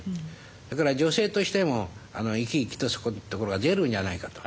それから女性としても生き生きとそこんところは出るんじゃないかと。